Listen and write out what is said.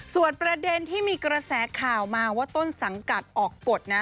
ส่วนประเด็นที่มีกระแสข่าวมาว่าต้นสังกัดออกกฎนะ